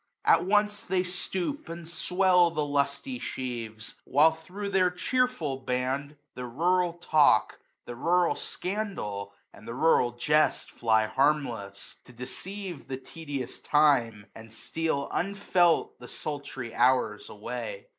At once they stoop and swell the lusty sheaves ; While thro' their cheerful band, the rural talk. The rural scandal, and the rural jest. Fly harmless ; to deceive the tedious time, 160 And steal unfelt the sultry hours away.